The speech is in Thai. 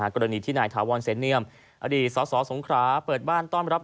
กรณีที่นายถาวรเสนเนียมอดีตสสงคราเปิดบ้านต้อนรับ